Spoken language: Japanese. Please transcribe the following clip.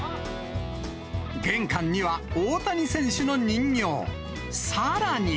玄関には大谷選手の人形。